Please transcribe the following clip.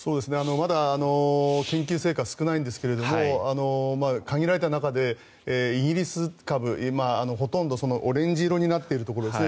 まだ研究成果は少ないんですが限られた中でイギリス株ほとんどオレンジ色になっているところですね